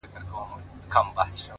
پسله كلونه چي جانان ته ورځي.!